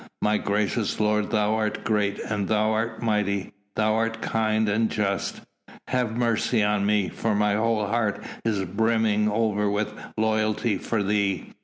My gracious lord thou art great, and thou art mighty, thou art kind and just. Have mercy on me, for my whole heart is brimming over with loyalty for thee!